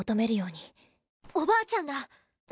おばあちゃんだ！